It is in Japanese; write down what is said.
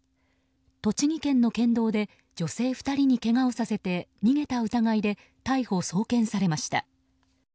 栃木県の県道で女性２人にけがをさせて逃げた疑いで逮捕・送検されました。